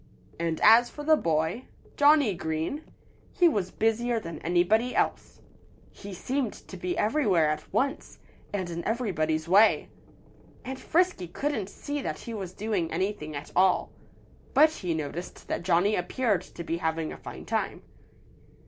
And as for the boy, Johnnie Green, he was busier than anybody else. He seemed to be everywhere at once, and in everybody's way. And Frisky couldn't see that he was doing anything at all. But he noticed that Johnnie appeared to be having a fine time.